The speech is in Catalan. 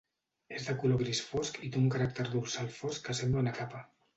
És de color gris fosc i té un caràcter dorsal fosc que sembla una capa.